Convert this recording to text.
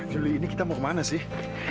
juli ini kita mau kemana sih